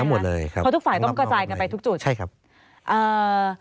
หมดเลยครับเพราะทุกฝ่ายต้องกระจายกันไปทุกจุดใช่ครับอ่า